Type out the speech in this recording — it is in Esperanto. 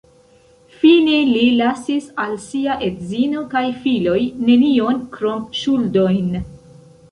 Fine li lasis al sia edzino kaj filoj nenion krom ŝuldojn.